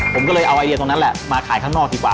ผมก็เลยเอาไอเดียตรงนั้นแหละมาขายข้างนอกดีกว่า